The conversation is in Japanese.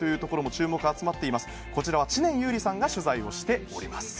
こちらは知念侑李さんが取材しております。